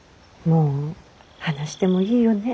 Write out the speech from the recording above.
もう話してもいいよね。